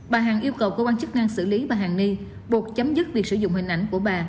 bà hằng yêu cầu cơ quan chức năng xử lý bà hàng ni buộc chấm dứt việc sử dụng hình ảnh của bà